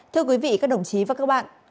thưa quý vị các đồng chí và các bạn